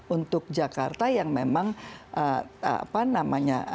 untuk jakarta yang memang apa namanya